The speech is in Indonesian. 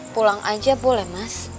pulang aja boleh mas